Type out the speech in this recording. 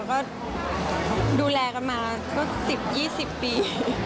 ก็ดูแลกันมาก็๑๐๒๐ปี